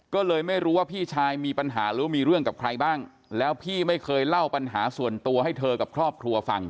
ก็เลยไม่รู้ว่าพี่ชายมีปัญหาหรือมีเรื่องกับใครบ้างแล้วพี่ไม่เคยเล่าปัญหาส่วนตัวให้เธอกับครอบครัวฟัง